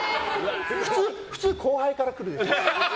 普通、後輩から来るよね。